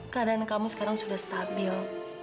keadaan kamu sekarang sudah stabil